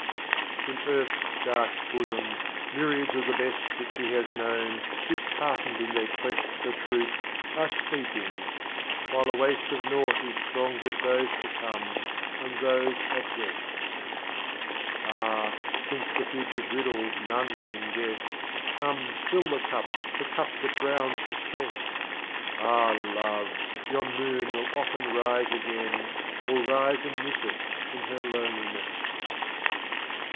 Strophes of Omar Khayyam. 33 VII. In Earth's Dark Bosom, Myriads of the Best That She has known, disheartened in their Quest For Truth, are sleeping, while the Waste of Naught Is thronged with Those to come, and Those at rest. VIII. Ah, since the Future's Riddles none can guess, Come fill the Cup, the Cup that drowns Distress, Ah, Love, yon Moon will often rise again. Will rise and miss us in Her loneliness.